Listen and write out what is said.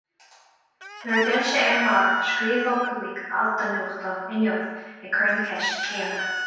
Nuair a d'fhill sé ar an mbaile, scríobh Ó Cuaig alt don nuachtán Inniu ag cur na ceiste céanna.